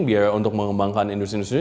biaya untuk mengembangkan industri industri